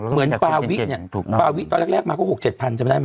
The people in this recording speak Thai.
เหมือนปาวิตเนี่ยปาวิตตอนแรกมาก็๖๗พันธุ์จำได้ไหม